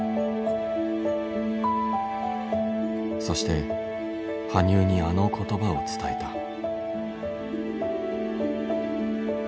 そして羽生にあの言葉を伝えた。